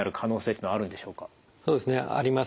そうですねあります。